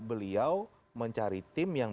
beliau mencari tim yang